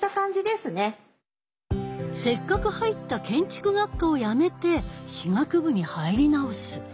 せっかく入った建築学科をやめて歯学部に入り直す。